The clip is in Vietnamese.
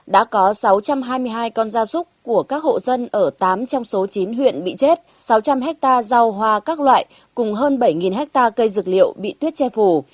đã có sáu trăm hai mươi hai con da súc của các hộ dân ở tám trong số chín huyện bị chết sáu trăm linh hectare rau hoa các loại cùng hơn bảy hectare cây dược liệu bị tuyết che phủ